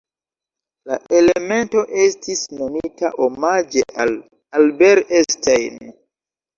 La elemento estis nomita omaĝe al Albert Einstein.